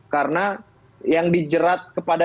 karena yang dijerat kepada